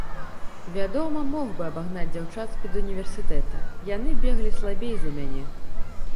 Вядома, мог бы абагнаць дзяўчат з педуніверсітэта, яны беглі слабей за мяне.